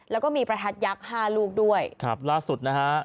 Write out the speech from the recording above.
แล้วก็มีประทัดยักษ์ห้าลูกด้วยครับล่าสุดนะฮะ